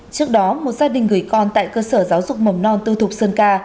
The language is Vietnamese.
trước đó một gia đình gửi con tại cơ sở giáo dục mầm non tư thục sơn ca